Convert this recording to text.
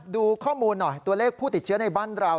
ดูข้อมูลหน่อยตัวเลขผู้ติดเชื้อในบ้านเรา